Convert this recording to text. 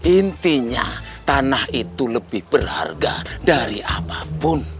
intinya tanah itu lebih berharga dari apapun